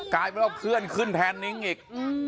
กลายเป็นว่าเพื่อนขึ้นแทนนิ้งอีก